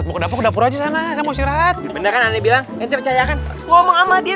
mau ke dapur aja sana saya mau sirat beneran aneh bilang nanti percaya kan ngomong sama dia